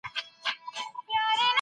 سرلوړي یوازي په نېکو اعمالو کي ده.